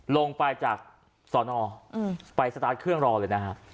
ลงไปจากซอน่ออื้มไปสตาร์ทเครื่องรอเลยนะครับ